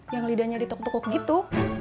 yang lidahnya ditukuk tukuk gitu